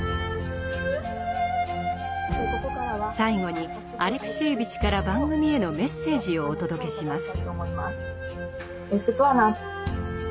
最後にアレクシエーヴィチから番組へのメッセージをお届けします。